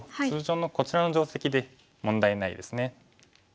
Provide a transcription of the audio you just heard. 通常のこちらの定石で問題ないですね。